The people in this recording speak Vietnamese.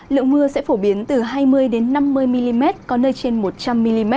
lượng mưa sẽ phổ biến từ hai mươi năm mươi mm có nơi trên một trăm linh mm